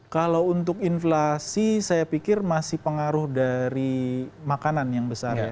kalau untuk inflasi saya pikir masih pengaruh dari makanan yang besar